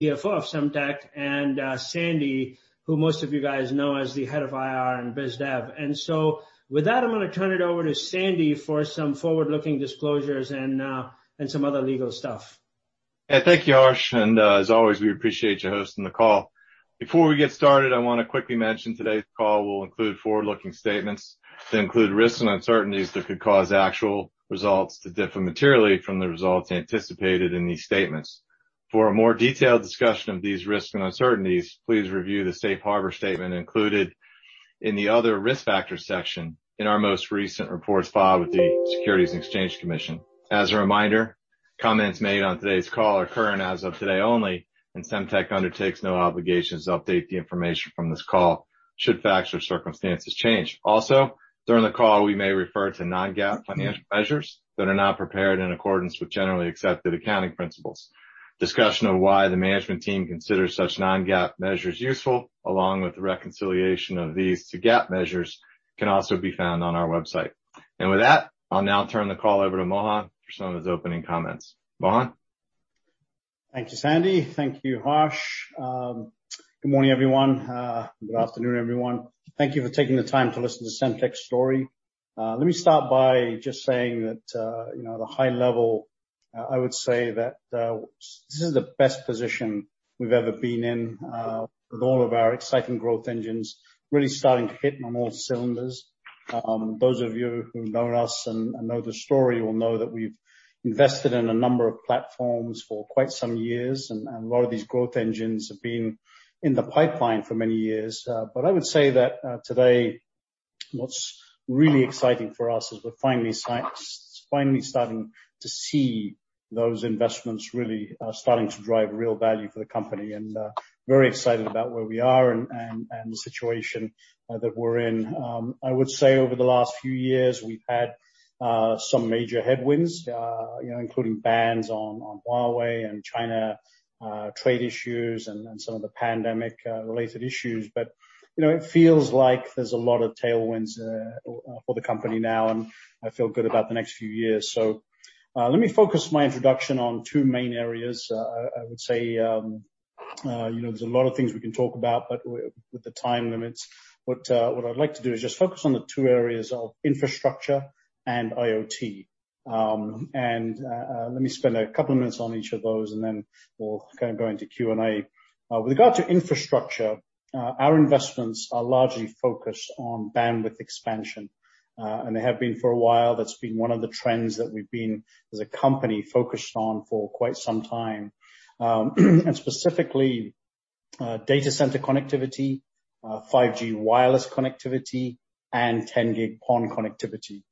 CFO of Semtech, and Sandy, who most of you guys know as the head of IR and Biz Dev. With that, I'm going to turn it over to Sandy for some forward-looking disclosures and some other legal stuff. Yeah. Thank you, Harsh. As always, we appreciate you hosting the call. Before we get started, I want to quickly mention today's call will include forward-looking statements that include risks and uncertainties that could cause actual results to differ materially from the results anticipated in these statements. For a more detailed discussion of these risks and uncertainties, please review the safe harbor statement included in the Other Risk Factors section in our most recent reports filed with the Securities and Exchange Commission. As a reminder, comments made on today's call are current as of today only, and Semtech undertakes no obligation to update the information from this call should facts or circumstances change. Also, during the call, we may refer to non-GAAP financial measures that are not prepared in accordance with generally accepted accounting principles. Discussion of why the management team considers such non-GAAP measures useful, along with the reconciliation of these to GAAP measures, can also be found on our website. With that, I'll now turn the call over to Mohan for some of his opening comments. Mohan? Thank you, Sandy. Thank you, Harsh. Good morning, everyone. Good afternoon, everyone. Thank you for taking the time to listen to Semtech's story. Let me start by just saying that, at a high level, I would say that this is the best position we've ever been in, with all of our exciting growth engines really starting to hit on all cylinders. Those of you who know us and know the story will know that we've invested in a number of platforms for quite some years, and a lot of these growth engines have been in the pipeline for many years. I would say that today, what's really exciting for us is we're finally starting to see those investments really starting to drive real value for the company, and very excited about where we are and the situation that we're in. I would say over the last few years, we've had some major headwinds, including bans on Huawei and China trade issues and some of the pandemic-related issues. It feels like there's a lot of tailwinds for the company now, and I feel good about the next few years. Let me focus my introduction on two main areas. I would say there's a lot of things we can talk about, but with the time limits, what I'd like to do is just focus on the two areas of infrastructure and IoT. Let me spend a couple of minutes on each of those, and then we'll go into Q&A. With regard to infrastructure, our investments are largely focused on bandwidth expansion, and they have been for a while. That's been one of the trends that we've been, as a company, focused on for quite some time, and specifically data center connectivity, 5G wireless connectivity, and 10G-PON connectivity.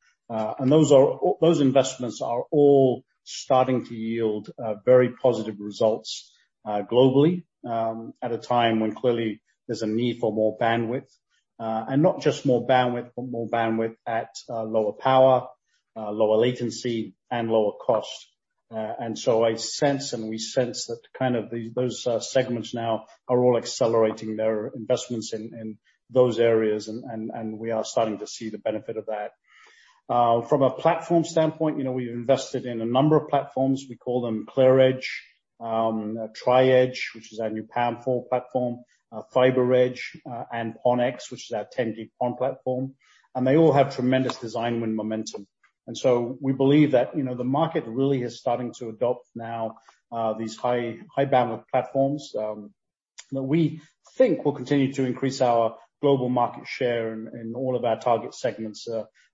Those investments are all starting to yield very positive results globally at a time when clearly there's a need for more bandwidth. Not just more bandwidth, but more bandwidth at lower power, lower latency, and lower cost. I sense, and we sense that those segments now are all accelerating their investments in those areas, and we are starting to see the benefit of that. From a platform standpoint, we've invested in a number of platforms. We call them ClearEdge, Tri-Edge, which is our new PAM4 platform, FiberEdge, and PON-X, which is our 10G-PON platform. They all have tremendous design win momentum. We believe that the market really is starting to adopt now these high bandwidth platforms that we think will continue to increase our global market share in all of our target segments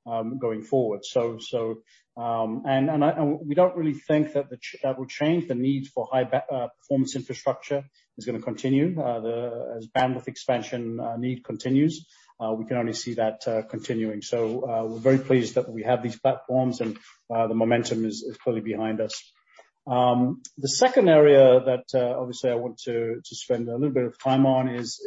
going forward. We don't really think that will change. The need for high performance infrastructure is going to continue. As bandwidth expansion need continues, we can only see that continuing. We're very pleased that we have these platforms and the momentum is clearly behind us. The second area that obviously I want to spend a little bit of time on is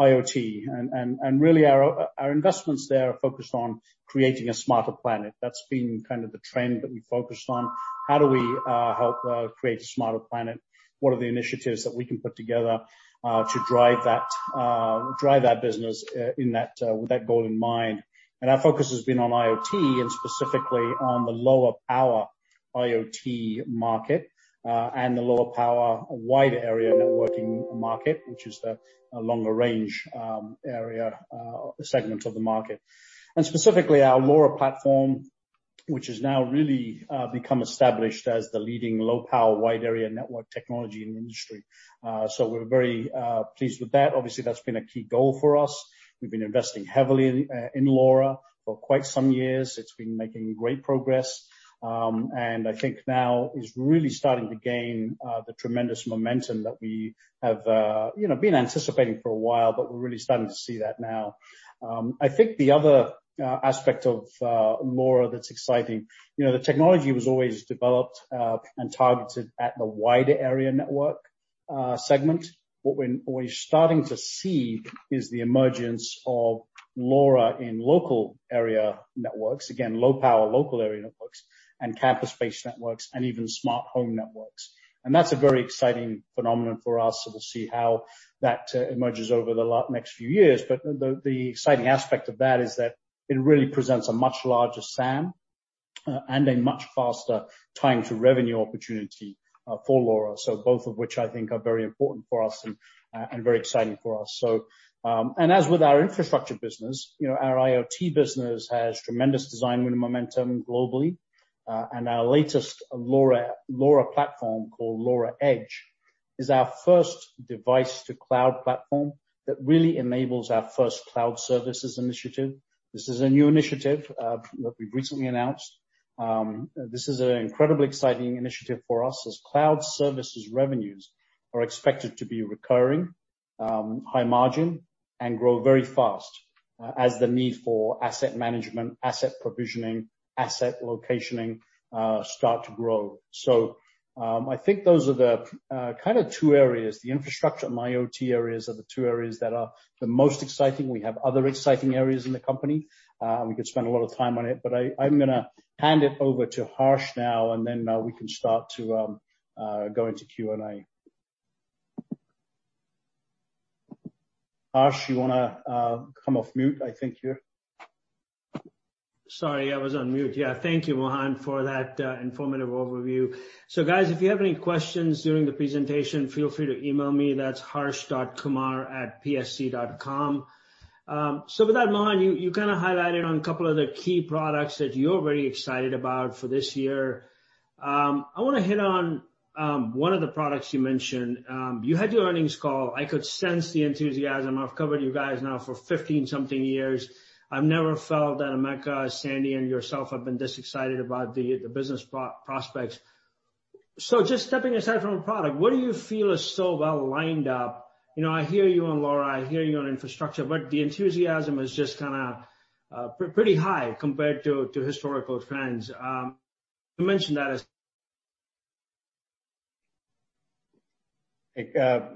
IoT and really our investments there are focused on creating a smarter planet. That's been kind of the trend that we focused on. How do we help create a smarter planet? What are the initiatives that we can put together to drive that business with that goal in mind? Our focus has been on IoT and specifically on the low-power IoT market and the low-power wide area networking market, which is a longer range area segment of the market. Specifically, our LoRa platform, which has now really become established as the leading low-power wide area network technology in the industry. We're very pleased with that. Obviously, that's been a key goal for us. We've been investing heavily in LoRa for quite some years. It's been making great progress. I think now is really starting to gain the tremendous momentum that we have been anticipating for a while, but we're really starting to see that now. I think the other aspect of LoRa that's exciting, the technology was always developed and targeted at the wide area network segment. What we're starting to see is the emergence of LoRa in local area networks, again, low-power local area networks and campus-based networks and even smart home networks. That's a very exciting phenomenon for us, so we'll see how that emerges over the next few years. The exciting aspect of that is that it really presents a much larger SAM and a much faster time to revenue opportunity for LoRa. Both of which I think are very important for us and very exciting for us. As with our infrastructure business, our IoT business has tremendous design win momentum globally. Our latest LoRa platform called LoRa Edge is our first device to cloud platform that really enables our first cloud services initiative. This is a new initiative that we've recently announced. This is an incredibly exciting initiative for us as cloud services revenues are expected to be recurring, high margin, and grow very fast as the need for asset management, asset provisioning, asset locationing start to grow. I think those are the kind of two areas, the infrastructure and IoT areas are the two areas that are the most exciting. We have other exciting areas in the company, and we could spend a lot of time on it, but I'm going to hand it over to Harsh now, and then we can start to go into Q&A. Harsh, you want to come off mute? Sorry, I was on mute. Yeah. Thank you, Mohan, for that informative overview. Guys, if you have any questions during the presentation, feel free to email me. That's harsh.kumar@psc.com. With that, Mohan, you kind of highlighted on a couple of the key products that you're very excited about for this year. I want to hit on one of the products you mentioned. You had your earnings call. I could sense the enthusiasm. I've covered you guys now for 15-something years. I've never felt that Emeka, Sandy, and yourself have been this excited about the business prospects. Just stepping aside from a product, what do you feel is so well lined up? I hear you on LoRa, I hear you on infrastructure, but the enthusiasm is just kind of pretty high compared to historical trends. You mentioned that as-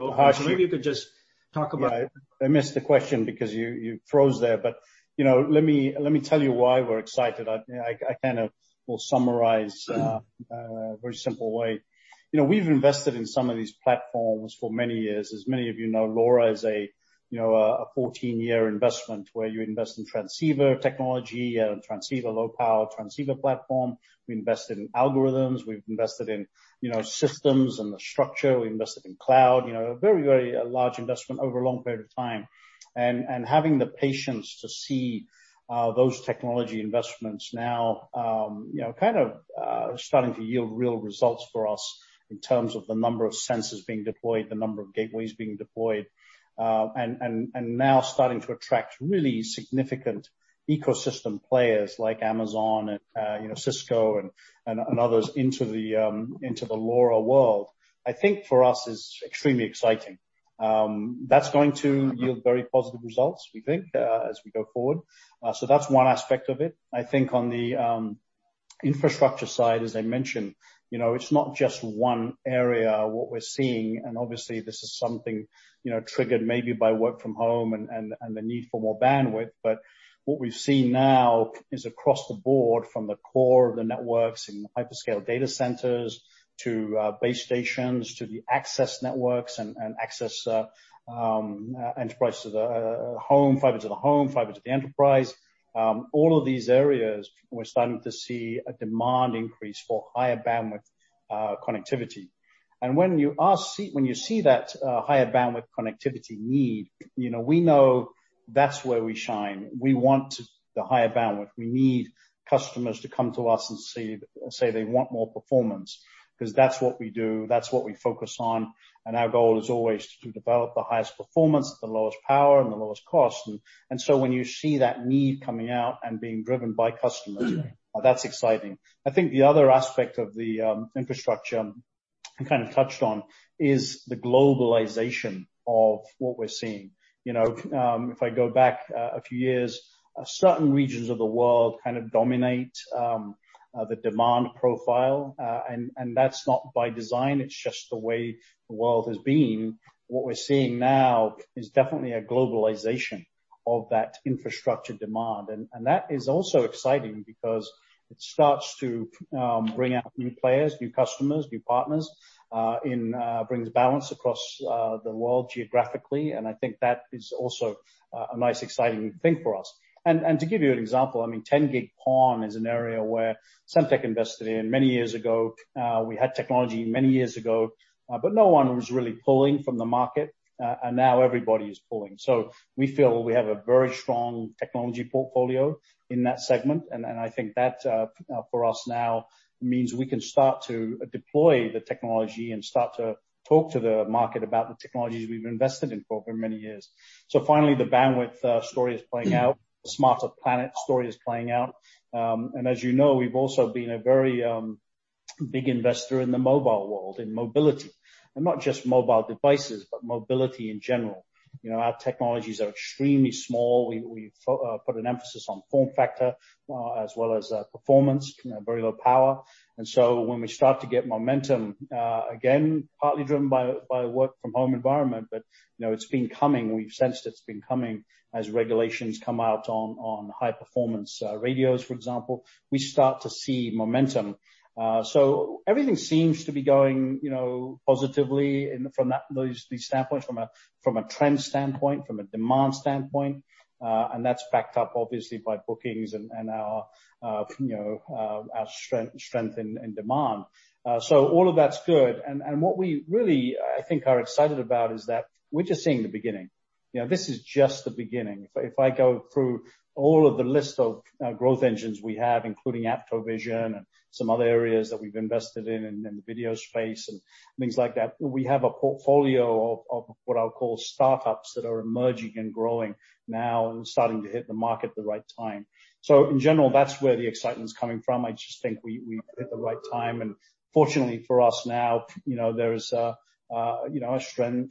Harsh, you- Maybe you could just talk about. I missed the question because you froze there, but let me tell you why we're excited. I kind of will summarize a very simple way. We've invested in some of these platforms for many years. As many of you know, LoRa is a 14-year investment where you invest in transceiver technology and transceiver low power transceiver platform. We invested in algorithms, we've invested in systems and the structure. We invested in cloud. A very large investment over a long period of time. Having the patience to see those technology investments now kind of starting to yield real results for us in terms of the number of sensors being deployed, the number of gateways being deployed, and now starting to attract really significant ecosystem players like Amazon and Cisco and others into the LoRa world, I think for us is extremely exciting. That's going to yield very positive results, we think, as we go forward. That's one aspect of it. I think on the infrastructure side, as I mentioned, it's not just one area, what we're seeing, and obviously this is something triggered maybe by work from home and the need for more bandwidth, but what we've seen now is across the board from the core of the networks in the hyperscale data centers to base stations, to the access networks and access enterprise to the home, fiber to the home, fiber to the enterprise. All of these areas, we're starting to see a demand increase for higher bandwidth connectivity. When you see that higher bandwidth connectivity need, we know that's where we shine. We want the higher bandwidth. We need customers to come to us and say they want more performance, because that's what we do, that's what we focus on, and our goal is always to develop the highest performance at the lowest power and the lowest cost. When you see that need coming out and being driven by customers, that's exciting. I think the other aspect of the infrastructure you kind of touched on is the globalization of what we're seeing. If I go back a few years, certain regions of the world kind of dominate the demand profile, and that's not by design, it's just the way the world has been. What we're seeing now is definitely a globalization of that infrastructure demand. That is also exciting because it starts to bring out new players, new customers, new partners, and brings balance across the world geographically. I think that is also a nice, exciting thing for us. To give you an example, 10G PON is an area where Semtech invested in many years ago. We had technology many years ago, but no one was really pulling from the market. Now everybody is pulling. We feel we have a very strong technology portfolio in that segment, and I think that for us now means we can start to deploy the technology and start to talk to the market about the technologies we've invested in for many years. Finally, the bandwidth story is playing out. The smarter planet story is playing out. As you know, we've also been a very big investor in the mobile world, in mobility. Not just mobile devices, but mobility in general. Our technologies are extremely small. We put an emphasis on form factor as well as performance, very low power. When we start to get momentum, again, partly driven by work from home environment, but it's been coming. We've sensed it's been coming as regulations come out on high performance radios, for example. We start to see momentum. Everything seems to be going positively from those standpoints, from a trend standpoint, from a demand standpoint. That's backed up obviously by bookings and our strength in demand. All of that's good. What we really, I think, are excited about is that we're just seeing the beginning. This is just the beginning. If I go through all of the list of growth engines we have, including AptoVision and some other areas that we've invested in the video space and things like that, we have a portfolio of what I'll call startups that are emerging and growing now and starting to hit the market at the right time. In general, that's where the excitement's coming from. I just think we've hit the right time, and fortunately for us now, there is a strong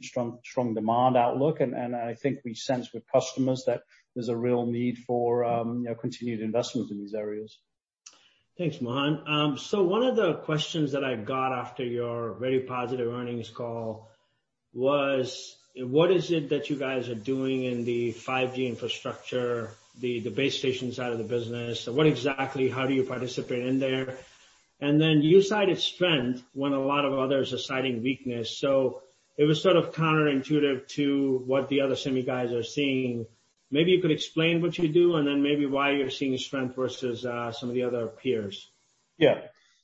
demand outlook, and I think we sense with customers that there's a real need for continued investments in these areas. Thanks, Mohan. One of the questions that I got after your very positive earnings call was, what is it that you guys are doing in the 5G infrastructure, the base station side of the business? What exactly, how do you participate in there? You cited strength when a lot of others are citing weakness, so it was sort of counterintuitive to what the other semi guys are seeing. Maybe you could explain what you do and then maybe why you're seeing strength versus some of the other peers.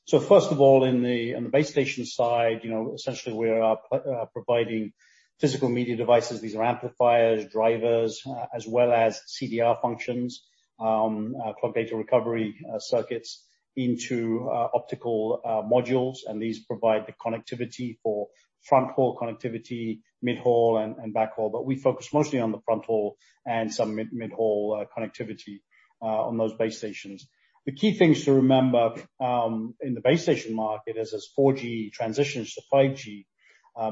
First of all, on the base station side, essentially we are providing physical media devices. These are amplifiers, drivers, as well as CDR functions, clock data recovery circuits into optical modules, and these provide the connectivity for front-haul connectivity, mid-haul, and backhaul. We focus mostly on the front-haul and some mid-haul connectivity on those base stations. The key things to remember in the base station market is as 4G transitions to 5G,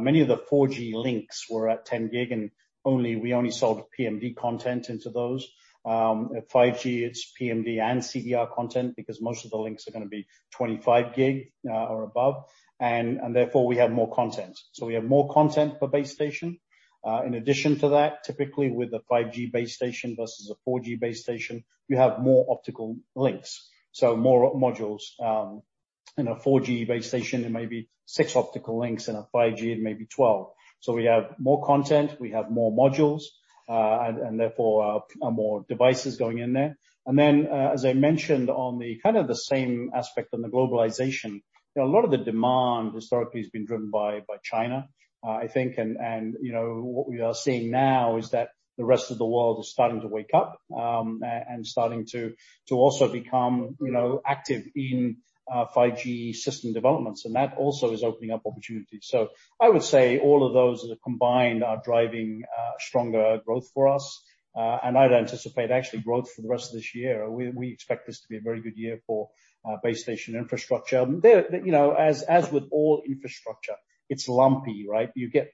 many of the 4G links were at 10 gig, and we only sold PMD content into those. At 5G, it's PMD and CDR content because most of the links are going to be 25 gig or above, and therefore we have more content. We have more content per base station. In addition to that, typically with a 5G base station versus a 4G base station, you have more optical links, so more modules. In a 4G base station, it may be six optical links. In a 5G, it may be 12. We have more content, we have more modules, and therefore, more devices going in there. As I mentioned on the same aspect on the globalization, a lot of the demand historically has been driven by China, I think, and what we are seeing now is that the rest of the world is starting to wake up, and starting to also become active in 5G system developments. That also is opening up opportunities. I would say all of those combined are driving stronger growth for us. I'd anticipate actually growth for the rest of this year. We expect this to be a very good year for base station infrastructure. As with all infrastructure, it's lumpy, right? You get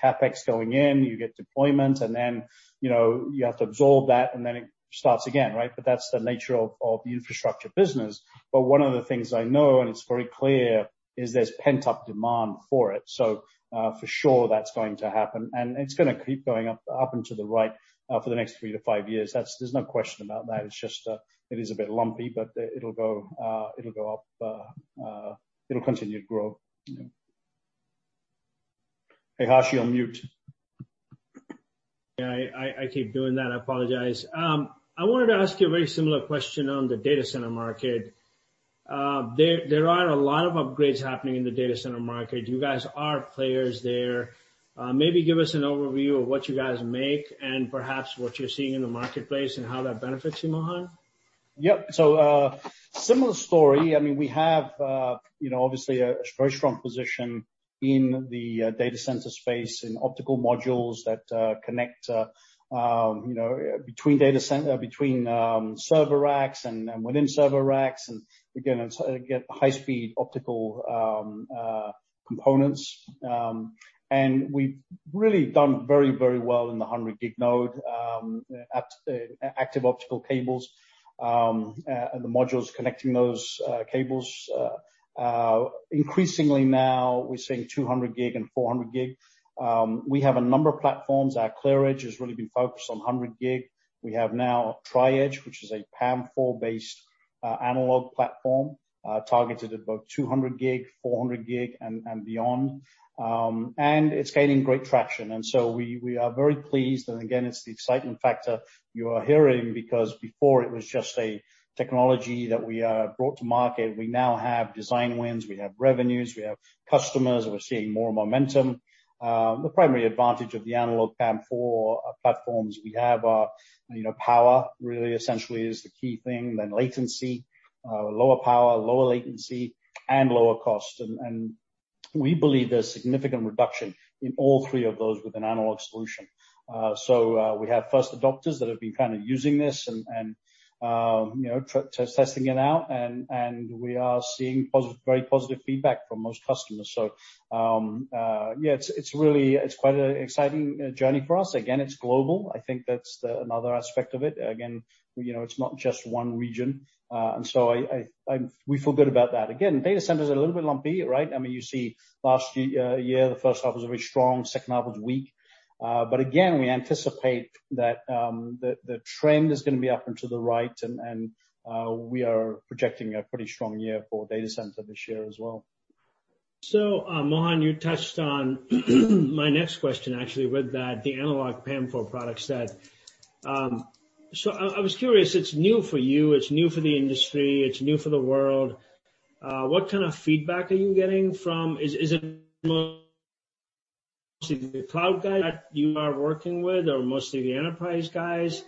CapEx going in, you get deployment, and then you have to absorb that, and then it starts again, right? That's the nature of the infrastructure business. One of the things I know, and it's very clear, is there's pent-up demand for it. For sure that's going to happen, and it's going to keep going up and to the right for the next 3-5 years. There's no question about that. It's just, it is a bit lumpy, but it'll go up. It'll continue to grow. Hey, Harsh, you're on mute. Yeah, I keep doing that. I apologize. I wanted to ask you a very similar question on the data center market. There are a lot of upgrades happening in the data center market. You guys are players there. Maybe give us an overview of what you guys make and perhaps what you're seeing in the marketplace and how that benefits you, Mohan. Yep. Similar story. We have obviously a very strong position in the data center space in optical modules that connect between server racks and within server racks, and again, get high-speed optical components. We've really done very well in the 100G node, active optical cables, and the modules connecting those cables. Increasingly now we're seeing 200G and 400G. We have a number of platforms. Our ClearEdge has really been focused on 100G. We have now Tri-Edge, which is a PAM4-based analog platform targeted at both 200G, 400G, and beyond. It's gaining great traction. We are very pleased, and again, it's the excitement factor you are hearing because before it was just a technology that we brought to market. We now have design wins, we have revenues, we have customers, and we're seeing more momentum. The primary advantage of the analog PAM4 platforms we have are power really essentially is the key thing, then latency. Lower power, lower latency, and lower cost. We believe there's significant reduction in all three of those with an analog solution. We have first adopters that have been kind of using this and testing it out, and we are seeing very positive feedback from most customers. Yeah, it's quite an exciting journey for us. It's global. I think that's another aspect of it. It's not just one region. We feel good about that. Data centers are a little bit lumpy, right? You see last year, the first half was very strong, second half was weak. We anticipate that the trend is going to be up and to the right and we are projecting a pretty strong year for data center this year as well. Mohan, you touched on my next question, actually, with that, the analog PAM4 product set. I was curious, it's new for you, it's new for the industry, it's new for the world. What kind of feedback are you getting? Is it mostly the cloud guys that you are working with, or mostly the enterprise guys?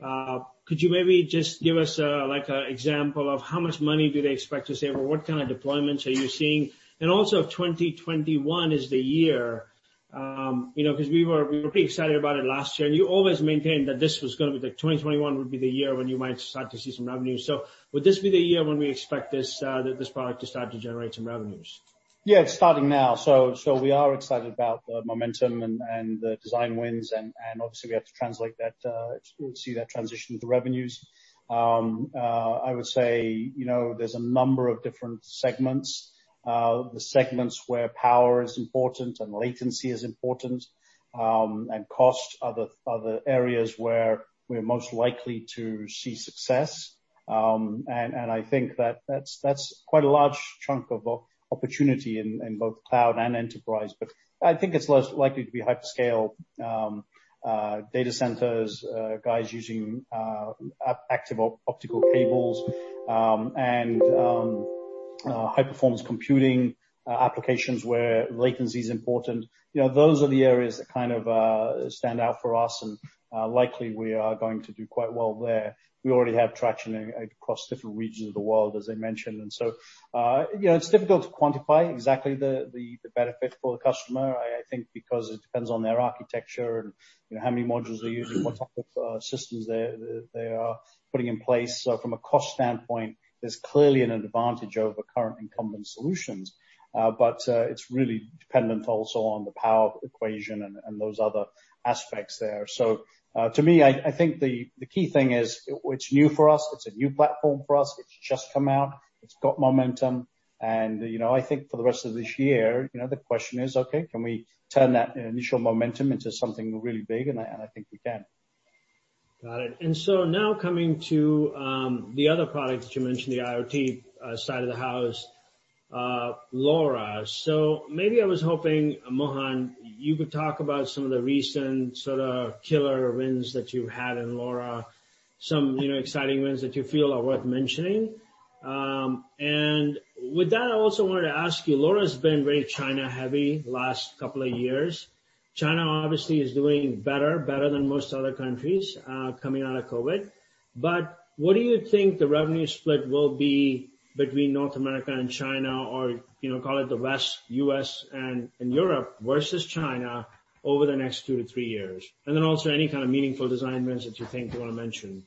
Could you maybe just give us an example of how much money do they expect to save, or what kind of deployments are you seeing? Also 2021 is the year, because we were pretty excited about it last year, and you always maintained that 2021 would be the year when you might start to see some revenue. Would this be the year when we expect this product to start to generate some revenues? Yeah, it's starting now. We are excited about the momentum and the design wins, and obviously we have to see that transition to revenues. I would say, there's a number of different segments. The segments where power is important and latency is important, and cost are the areas where we're most likely to see success. I think that's quite a large chunk of opportunity in both cloud and enterprise. I think it's less likely to be hyperscale data centers, guys using active optical cables, and high-performance computing applications where latency is important. Those are the areas that kind of stand out for us and likely we are going to do quite well there. We already have traction across different regions of the world, as I mentioned. It's difficult to quantify exactly the benefit for the customer, I think because it depends on their architecture and how many modules they're using, what type of systems they are putting in place. From a cost standpoint, there's clearly an advantage over current incumbent solutions. It's really dependent also on the power equation and those other aspects there. To me, I think the key thing is it's new for us. It's a new platform for us. It's just come out. It's got momentum. I think for the rest of this year, the question is, okay, can we turn that initial momentum into something really big? I think we can. Got it. Now coming to the other product that you mentioned, the IoT side of the house, LoRa. Maybe I was hoping, Mohan, you could talk about some of the recent sort of killer wins that you've had in LoRa, some exciting wins that you feel are worth mentioning. With that, I also wanted to ask you, LoRa's been very China heavy last couple of years. China obviously is doing better than most other countries coming out of COVID. What do you think the revenue split will be between North America and China, or call it the West, U.S. and Europe versus China over the next two to three years? Then also any kind of meaningful design wins that you think you want to mention.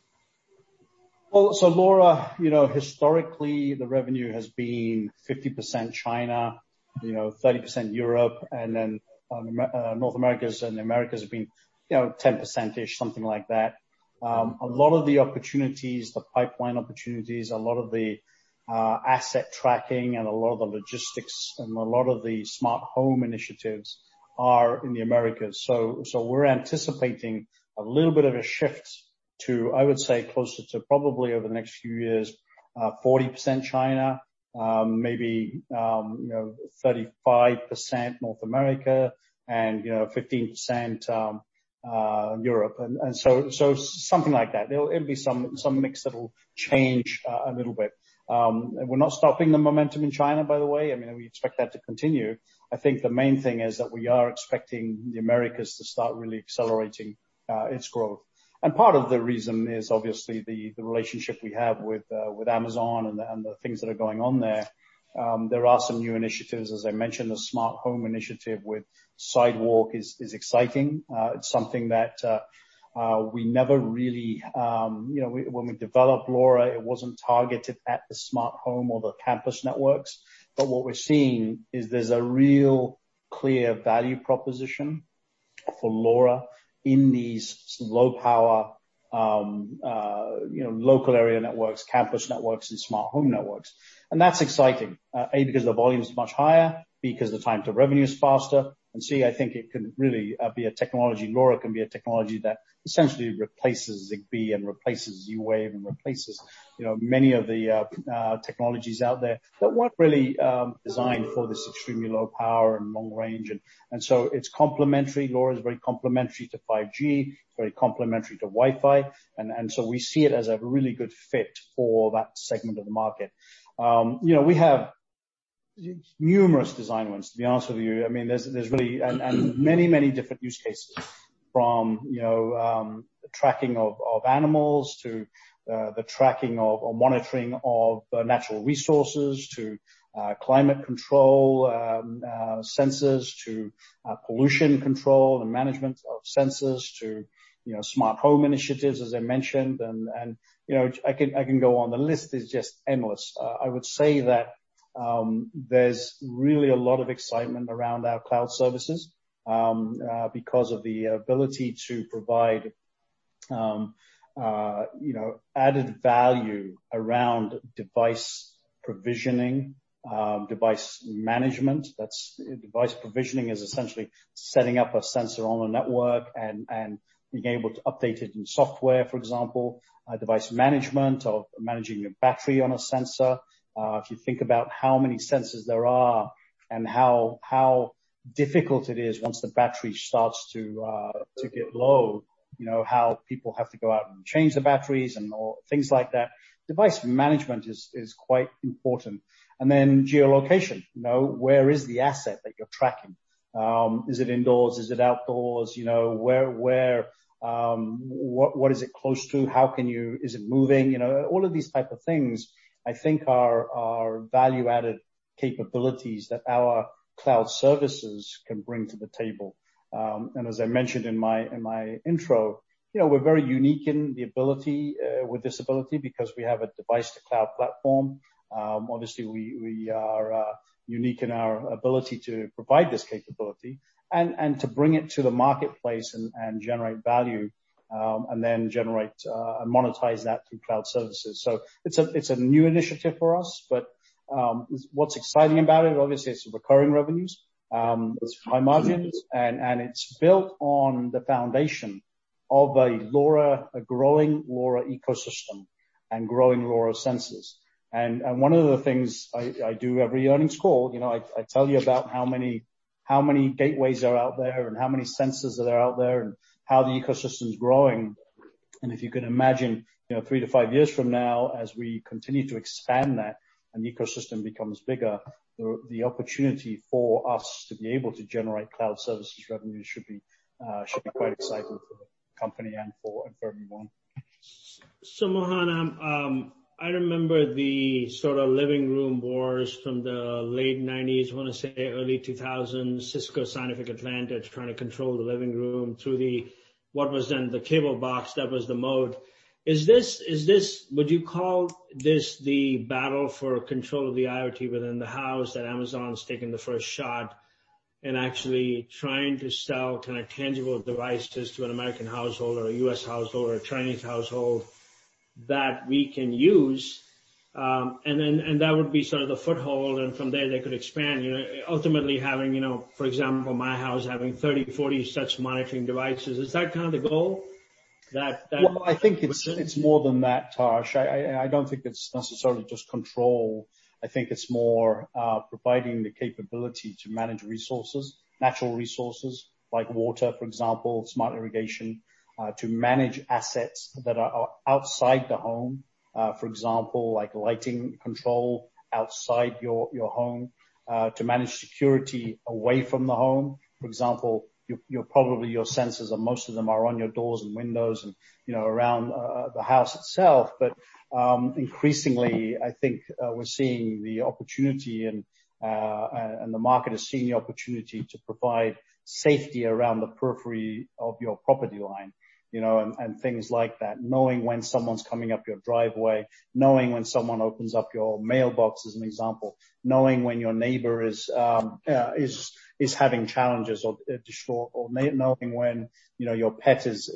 LoRa historically, the revenue has been 50% China, 30% Europe, and then North Americas and the Americas have been 10%-ish, something like that. A lot of the opportunities, the pipeline opportunities, a lot of the asset tracking and a lot of the logistics and a lot of the smart home initiatives are in the Americas. We're anticipating a little bit of a shift to, I would say closer to probably over the next few years, 40% China, maybe 35% North America and 15% Europe. Something like that. It'll be some mix that'll change a little bit. We're not stopping the momentum in China, by the way. We expect that to continue. I think the main thing is that we are expecting the Americas to start really accelerating its growth. Part of the reason is obviously the relationship we have with Amazon and the things that are going on there. There are some new initiatives, as I mentioned, the smart home initiative with Sidewalk is exciting. It's something that when we developed LoRa, it wasn't targeted at the smart home or the campus networks. What we're seeing is there's a real clear value proposition for LoRa in these low power local area networks, campus networks, and smart home networks. That's exciting. Because the volume is much higher, because the time to revenue is faster, see, I think LoRa can be a technology that essentially replaces Zigbee and replaces Z-Wave and replaces many of the technologies out there that weren't really designed for this extremely low power and long range. LoRa is very complementary to 5G, it's very complementary to Wi-Fi, we see it as a really good fit for that segment of the market. We have numerous design wins, to be honest with you. Many different use cases from tracking of animals to the tracking or monitoring of natural resources, to climate control sensors, to pollution control and management of sensors, to smart home initiatives, as I mentioned. I can go on. The list is just endless. I would say that there's really a lot of excitement around our cloud services, because of the ability to provide added value around device provisioning, device management. Device provisioning is essentially setting up a sensor on a network and being able to update it in software, for example. Device management or managing your battery on a sensor. If you think about how many sensors there are and how difficult it is once the battery starts to get low, how people have to go out and change the batteries and things like that, device management is quite important. Geolocation, where is the asset that you're tracking? Is it indoors? Is it outdoors? What is it close to? Is it moving? All of these type of things, I think, are value-added capabilities that our cloud services can bring to the table. As I mentioned in my intro, we're very unique with this ability because we have a device to cloud platform. Obviously, we are unique in our ability to provide this capability and to bring it to the marketplace and generate value, and then generate and monetize that through cloud services. It's a new initiative for us, but what's exciting about it, obviously, it's recurring revenues, it's high margins, and it's built on the foundation of a growing LoRa ecosystem and growing LoRa sensors. One of the things I do every earnings call, I tell you about how many gateways are out there and how many sensors that are out there and how the ecosystem is growing. If you can imagine, three to five years from now, as we continue to expand that and the ecosystem becomes bigger, the opportunity for us to be able to generate cloud services revenue should be quite exciting for the company and for everyone. Mohan, I remember the sort of living room wars from the late 90s, I want to say early 2000s, Cisco, Scientific Atlanta, trying to control the living room through the, what was then the cable box. That was the mode. Would you call this the battle for control of the IoT within the house, that Amazon's taking the first shot and actually trying to sell kind of tangible devices to an American household or a U.S. household or a Chinese household that we can use, and then, and that would be sort of the foothold, and from there they could expand, ultimately having, for example, my house having 30, 40 such monitoring devices. Is that kind of the goal that- I think it's more than that, Harsh. I don't think it's necessarily just control. I think it's more providing the capability to manage resources, natural resources like water, for example, smart irrigation, to manage assets that are outside the home. For example, like lighting control outside your home, to manage security away from the home. For example, probably your sensors, or most of them are on your doors and windows and around the house itself. Increasingly, I think we're seeing the opportunity and the market is seeing the opportunity to provide safety around the periphery of your property line, and things like that. Knowing when someone's coming up your driveway, knowing when someone opens up your mailbox, as an example. Knowing when your neighbor is having challenges or distress, or knowing when your pet has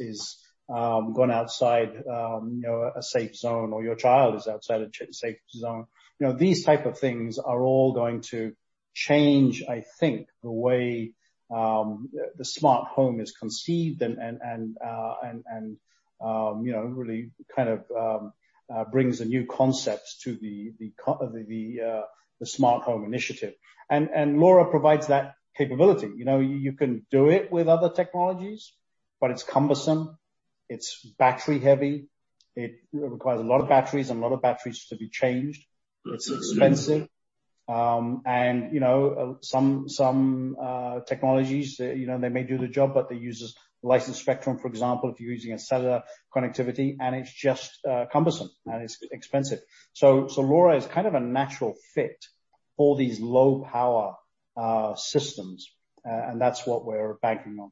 gone outside a safe zone or your child is outside a safe zone. These type of things are all going to change, I think, the way the smart home is conceived and really kind of brings a new concept to the smart home initiative. LoRa provides that capability. You can do it with other technologies, but it's cumbersome, it's battery heavy. It requires a lot of batteries to be changed. It's expensive. Some technologies they may do the job, but they use licensed spectrum, for example, if you're using a cellular connectivity, and it's just cumbersome and it's expensive. LoRa is kind of a natural fit for these low power systems, and that's what we're banking on.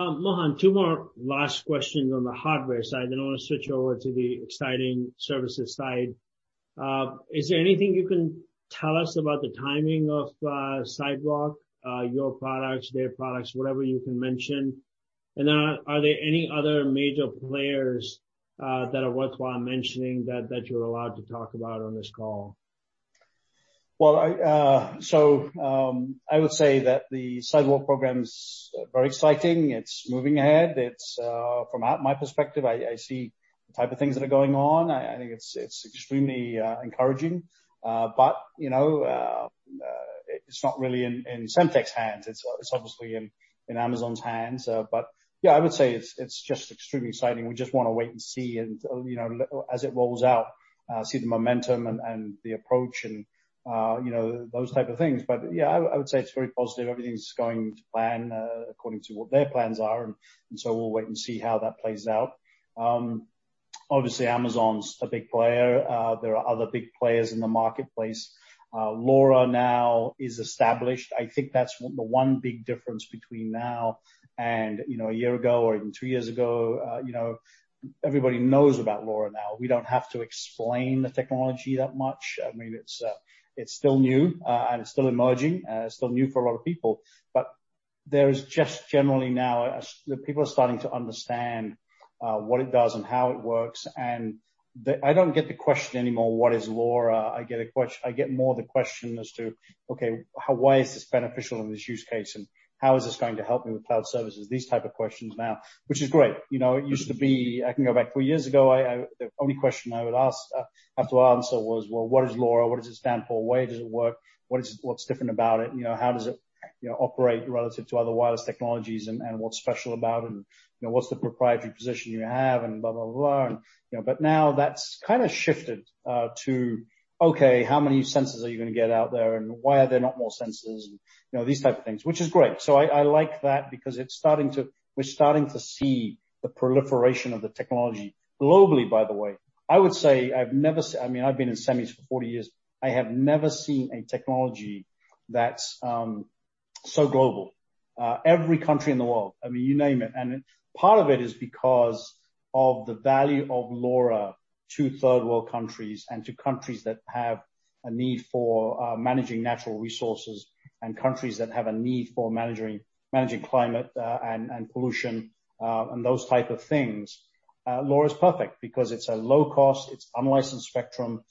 Mohan, two more last questions on the hardware side, then I want to switch over to the exciting services side. Is there anything you can tell us about the timing of Sidewalk, your products, their products, whatever you can mention? Are there any other major players that are worthwhile mentioning that you're allowed to talk about on this call? I would say that the Amazon Sidewalk program is very exciting. It's moving ahead. From my perspective, I see the type of things that are going on. I think it's extremely encouraging. It's not really in Semtech's hands. It's obviously in Amazon's hands. Yeah, I would say it's just extremely exciting. We just want to wait and see as it rolls out, see the momentum and the approach and those type of things. Yeah, I would say it's very positive. Everything's going to plan according to what their plans are, we'll wait and see how that plays out. Obviously, Amazon's a big player. There are other big players in the marketplace. LoRa now is established. I think that's the one big difference between now and a year ago or even three years ago. Everybody knows about LoRa now. We don't have to explain the technology that much. I mean, it's still new, and it's still emerging. It's still new for a lot of people. There is just generally now, people are starting to understand what it does and how it works, and I don't get the question anymore, what is LoRa? I get more the question as to, "Okay, why is this beneficial in this use case, and how is this going to help me with cloud services?" These type of questions now, which is great. It used to be, I can go back four years ago, the only question I would have to answer was, "Well, what is LoRa? What does it stand for? Why does it work? What's different about it? How does it operate relative to other wireless technologies? What's special about it? What's the proprietary position you have?" Blah, blah. Now that's kind of shifted to, "Okay, how many sensors are you going to get out there, and why are there not more sensors?" These type of things, which is great. I like that because we're starting to see the proliferation of the technology globally, by the way. I would say I've never I've been in semis for 40 years. I have never seen a technology that's so global. Every country in the world, you name it. Part of it is because of the value of LoRa to Third World countries and to countries that have a need for managing natural resources and countries that have a need for managing climate and pollution, and those type of things. LoRa is perfect because it's a low cost, it's unlicensed spectrum,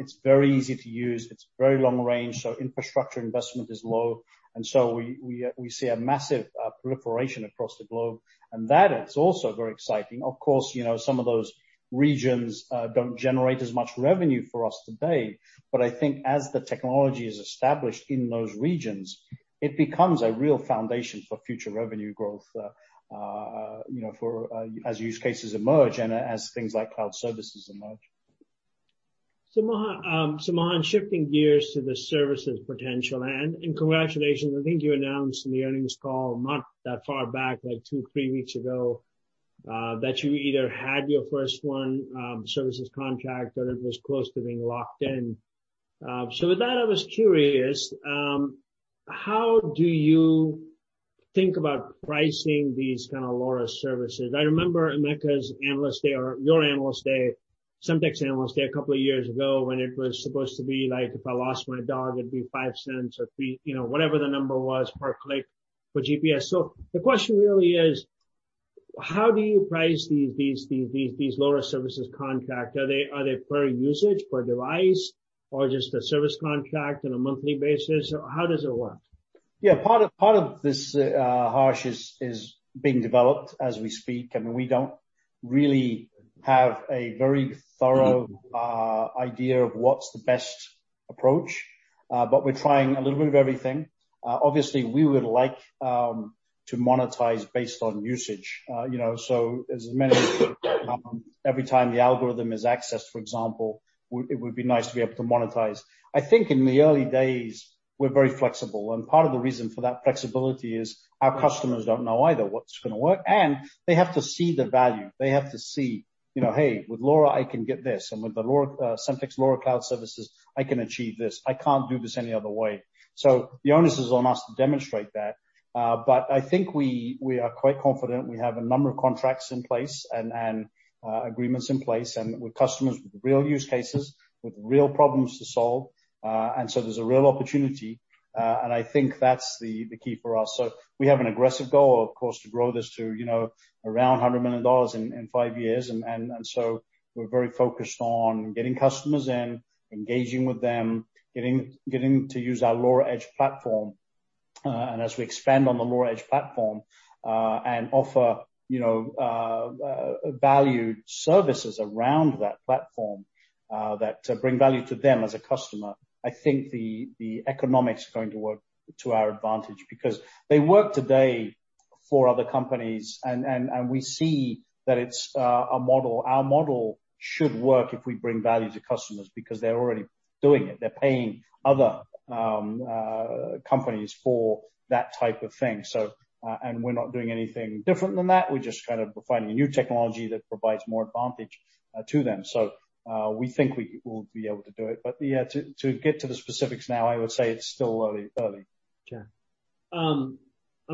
it's very easy to use, it's very long range, so infrastructure investment is low. We see a massive proliferation across the globe, and that is also very exciting. Of course, some of those regions don't generate as much revenue for us today. I think as the technology is established in those regions, it becomes a real foundation for future revenue growth, as use cases emerge and as things like cloud services emerge. Mohan, shifting gears to the services potential and congratulations, I think you announced in the earnings call not that far back, like two, three weeks ago, that you either had your first one, services contract, or it was close to being locked in. With that, I was curious, how do you think about pricing these kind of LoRa services? I remember Emeka's analyst day or your analyst day, Semtech's analyst day a couple of years ago when it was supposed to be like, if I lost my dog, it'd be $0.05 or whatever the number was per click for GPS. The question really is, how do you price these LoRa services contract? Are they per usage, per device, or just a service contract on a monthly basis? How does it work? Part of this, Harsh, is being developed as we speak. We don't really have a very thorough idea of what's the best approach. We're trying a little bit of everything. Obviously, we would like to monetize based on usage. As every time the algorithm is accessed, for example, it would be nice to be able to monetize. I think in the early days, we're very flexible, and part of the reason for that flexibility is our customers don't know either what's going to work, and they have to see the value. They have to see, "Hey, with LoRa, I can get this. And with the Semtech's LoRa cloud services, I can achieve this. I can't do this any other way." The onus is on us to demonstrate that. I think we are quite confident we have a number of contracts in place and agreements in place and with customers with real use cases, with real problems to solve. There's a real opportunity, and I think that's the key for us. We have an aggressive goal, of course, to grow this to around $100 million in five years. We're very focused on getting customers in, engaging with them, getting to use our LoRa Edge platform. As we expand on the LoRa Edge platform, and offer valued services around that platform, that bring value to them as a customer, I think the economics are going to work to our advantage because they work today for other companies, and we see that it's a model. Our model should work if we bring value to customers because they're already doing it. They're paying other companies for that type of thing. We're not doing anything different than that. We're just kind of providing a new technology that provides more advantage to them. We think we will be able to do it. Yeah, to get to the specifics now, I would say it's still early. Sure. I'm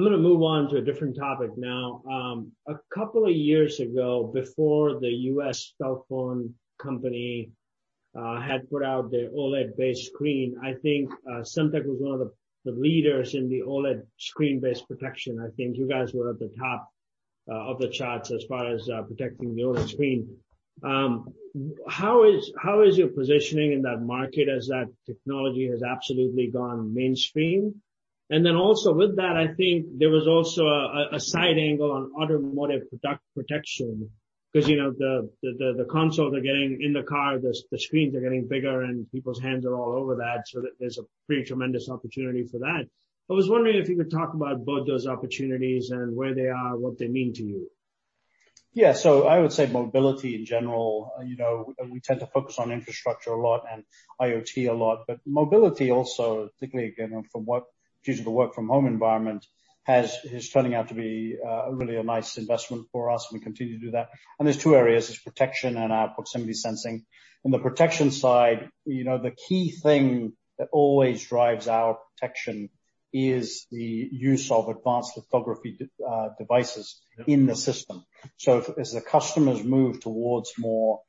going to move on to a different topic now. A couple of years ago, before the U.S. cell phone company had put out their OLED-based screen, I think Semtech was one of the leaders in the OLED screen-based protection. I think you guys were at the top of the charts as far as protecting the OLED screen. How is your positioning in that market as that technology has absolutely gone mainstream? Also with that, I think there was also a side angle on automotive protection because the consoles are getting in the car, the screens are getting bigger, and people's hands are all over that, so there's a pretty tremendous opportunity for that. I was wondering if you could talk about both those opportunities and where they are, what they mean to you. Yeah. I would say mobility in general, we tend to focus on infrastructure a lot and IoT a lot. Mobility also, particularly again, from what due to the work from home environment, is turning out to be really a nice investment for us, and we continue to do that. There's two areas. There's protection and our proximity sensing. On the protection side, the key thing that always drives our protection is the use of advanced lithography devices in the system. As the customers move towards more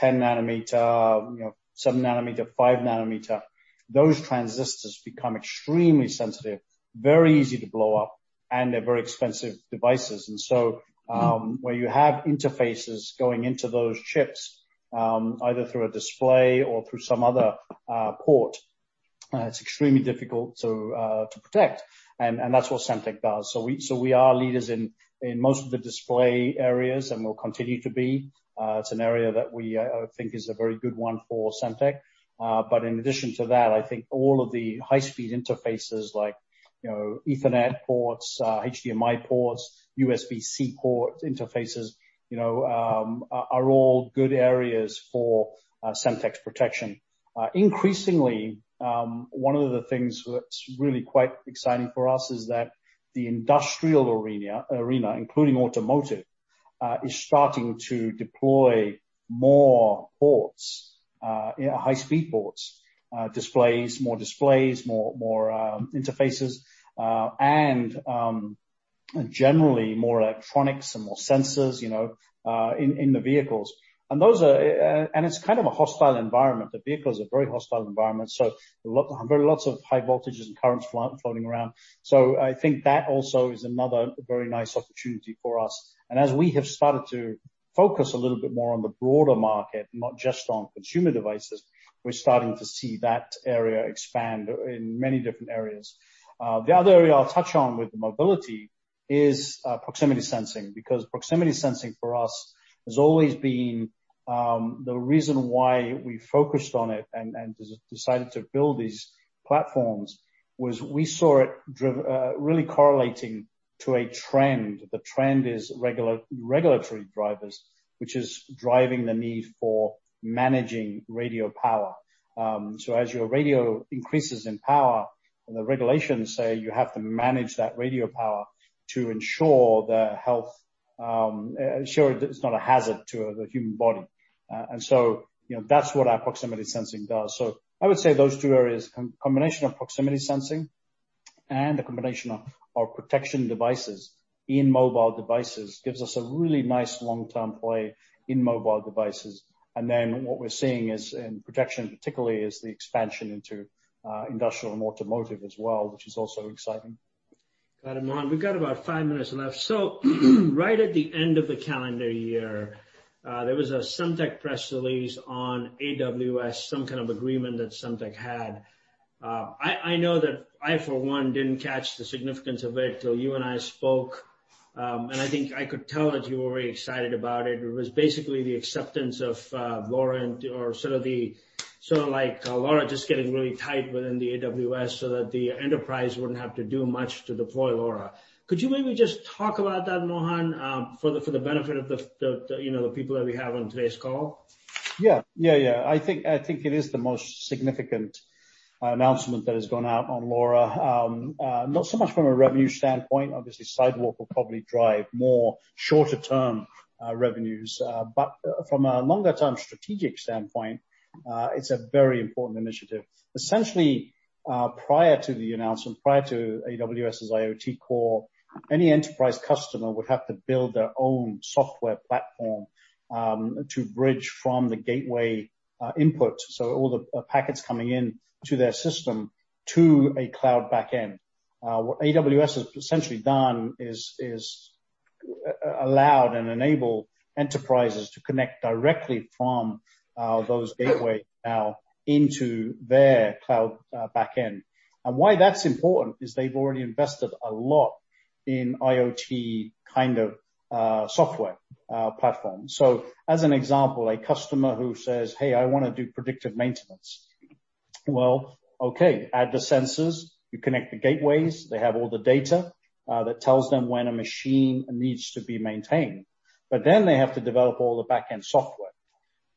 10nm, 7nm, 5nm. Those transistors become extremely sensitive, very easy to blow up, and they're very expensive devices. Where you have interfaces going into those chips, either through a display or through some other port, it's extremely difficult to protect. That's what Semtech does. We are leaders in most of the display areas and will continue to be. It's an area that we think is a very good one for Semtech. In addition to that, I think all of the high-speed interfaces like, Ethernet ports, HDMI ports, USB-C port interfaces, are all good areas for Semtech's protection. Increasingly, one of the things that's really quite exciting for us is that the industrial arena, including automotive, is starting to deploy more high-speed ports, more displays, more interfaces, and generally more electronics and more sensors in the vehicles. It's kind of a hostile environment. The vehicle is a very hostile environment, so very lots of high voltages and currents floating around. I think that also is another very nice opportunity for us. As we have started to focus a little bit more on the broader market, not just on consumer devices, we're starting to see that area expand in many different areas. The other area I'll touch on with mobility is proximity sensing, because proximity sensing for us has always been, the reason why we focused on it and decided to build these platforms was we saw it really correlating to a trend. The trend is regulatory drivers, which is driving the need for managing radio power. As your radio increases in power, the regulations say you have to manage that radio power to ensure it's not a hazard to the human body. That's what our proximity sensing does. I would say those two areas, combination of proximity sensing and the combination of our protection devices in mobile devices, gives us a really nice long-term play in mobile devices. What we're seeing is in protection particularly, is the expansion into industrial and automotive as well, which is also exciting. Got it, Mohan. We've got about five minutes left. Right at the end of the calendar year, there was a Semtech press release on AWS, some kind of agreement that Semtech had. I know that I, for one, didn't catch the significance of it till you and I spoke. I think I could tell that you were very excited about it. It was basically the acceptance of LoRa or sort of like LoRa just getting really tight within the AWS so that the enterprise wouldn't have to do much to deploy LoRa. Could you maybe just talk about that, Mohan, for the benefit of the people that we have on today's call? Yeah. I think it is the most significant announcement that has gone out on LoRa. Not so much from a revenue standpoint. Obviously, Sidewalk will probably drive more shorter-term revenues. From a longer-term strategic standpoint, it's a very important initiative. Essentially, prior to the announcement, prior to AWS's IoT Core, any enterprise customer would have to build their own software platform to bridge from the gateway input, so all the packets coming in to their system, to a cloud backend. What AWS has essentially done is allowed and enable enterprises to connect directly from those gateway now into their cloud backend. Why that's important is they've already invested a lot in IoT kind of software platform. As an example, a customer who says, "Hey, I wanna do predictive maintenance." Well, okay, add the sensors. You connect the gateways. They have all the data that tells them when a machine needs to be maintained. Then they have to develop all the backend software.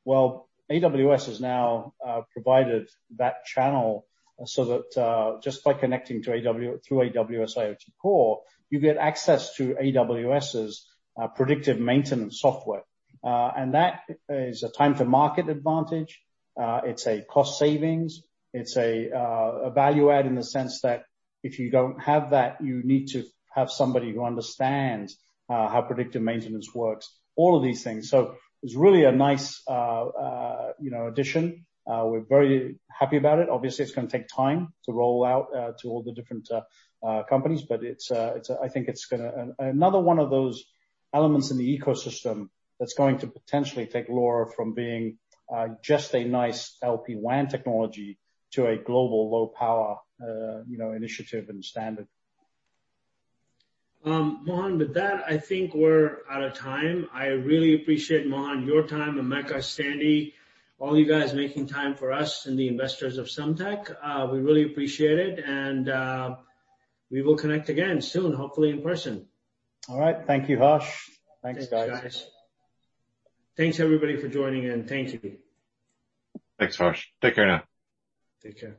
Well, AWS has now provided that channel so that, just by connecting through AWS IoT Core, you get access to AWS's predictive maintenance software. That is a time-to-market advantage. It's a cost savings. It's a value add in the sense that if you don't have that, you need to have somebody who understands how predictive maintenance works, all of these things. It's really a nice addition. We're very happy about it. Obviously, it's gonna take time to roll out to all the different companies, but I think it's another one of those elements in the ecosystem that's going to potentially take LoRa from being just a nice LPWAN technology to a global low-power initiative and standard. Mohan, with that, I think we're out of time. I really appreciate, Mohan, your time, and Emeka, Sandy, all you guys making time for us and the investors of Semtech. We really appreciate it and we will connect again soon, hopefully in person. All right. Thank you, Harsh. Thanks, guys. Thanks, guys. Thanks everybody for joining in. Thank you. Thanks, Harsh. Take care now. Take care.